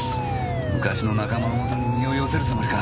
昔の仲間のもとに身を寄せるつもりか？